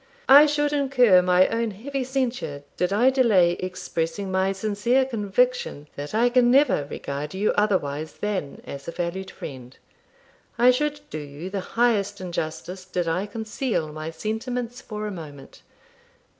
'I should incur my own heavy censure did I delay expressing my sincere conviction that I can never regard you otherwise than as a valued friend. I should do you the highest injustice did I conceal my sentiments for a moment.